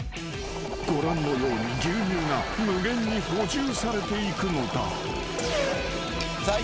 ［ご覧のように牛乳が無限に補充されていくのだ］